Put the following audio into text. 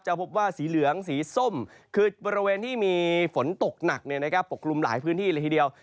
พบว่าสีเหลืองสีส้มคือบริเวณที่มีฝนตกหนักปกกลุ่มหลายพื้นที่เลยทีเดียว